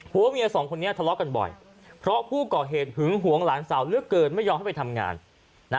หัวเมียสองคนนี้ทะเลาะกันบ่อยเพราะผู้ก่อเหตุหึงหวงหลานสาวเหลือเกินไม่ยอมให้ไปทำงานนะ